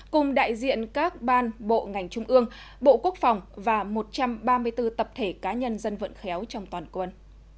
cùng đại diện các ban bộ ngành trung ương bộ quốc phòng và một trăm ba mươi bốn tập thể cá nhân dân vận khéo trong toàn quân